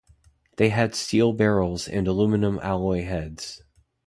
They had steel barrels and aluminium alloy heads.